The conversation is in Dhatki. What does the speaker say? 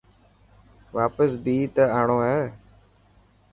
واپس بي ته آڻو هي.